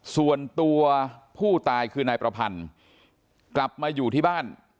ส่วนตัวผู้ตายคือนายประพันธ์กลับมาอยู่ที่บ้าน